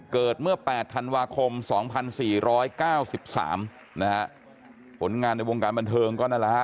เกิดเมื่อ๘ธันวาคม๒๔๙๓นะฮะผลงานในวงการบันเทิงก็นั่นแหละฮะ